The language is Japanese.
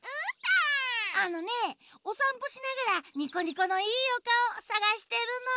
あのねおさんぽしながらニコニコのいいおかおさがしてるの。